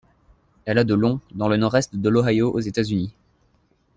Elle a de long, dans le nord-est de l'Ohio aux États-Unis.